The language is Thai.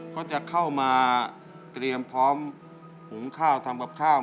เขาจะเข้ามาเตรียมพร้อมหุงข้าวทำกับข้าว